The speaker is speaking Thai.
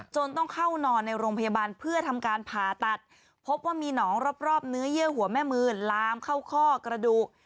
ต้องเข้านอนในโรงพยาบาลเพื่อทำการผ่าตัดพบว่ามีหนองรอบเนื้อเยื่อหัวแม่มือลามเข้าข้อกระดูก